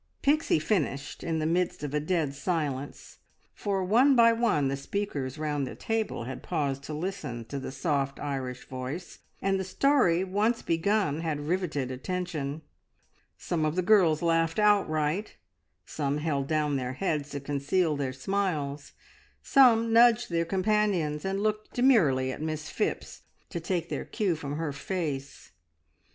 Pixie finished in the midst of a dead silence, for one by one the speakers round the table had paused to listen to the soft Irish voice, and the story once begun had riveted attention. Some of the girls laughed outright, some held down their heads to conceal their smiles, some nudged their companions and looked demurely at Miss Phipps to take their cue from her face.